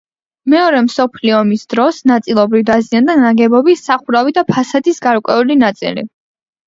მეორე მსოფლიო ომის დროს ნაწილობრივ დაზიანდა ნაგებობის სახურავი და ფასადის გარკვეული ნაწილი.